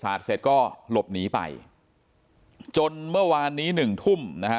เสร็จก็หลบหนีไปจนเมื่อวานนี้หนึ่งทุ่มนะฮะ